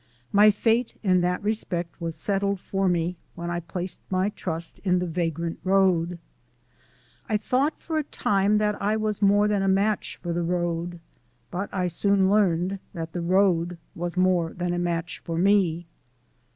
My fate in that respect was settled for me when I placed my trust in the vagrant road. I thought for a time that I was more than a match for the Road, but I soon learned that the Road was more than a match for me.